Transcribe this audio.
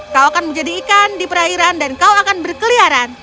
kau akan menjadi ikan di perairan dan kau akan berkeliaran